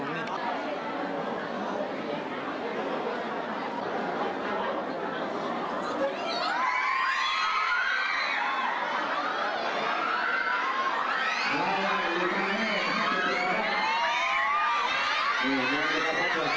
เป็นบุคคุณกับเพื่อนผู้หญิงรับทราบในเมืองแหละครับ